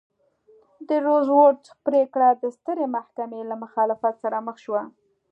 د روزولټ پرېکړه د سترې محکمې له مخالفت سره مخ شوه.